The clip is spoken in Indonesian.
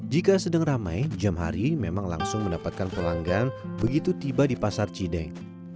jika sedang ramai jam hari memang langsung mendapatkan pelanggan begitu tiba di pasar cideng